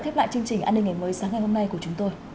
khép lại chương trình an ninh ngày mới sáng ngày hôm nay của chúng tôi